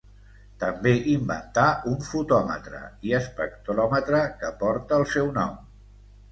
També inventà un fotòmetre i espectròmetre, que porta el seu nom.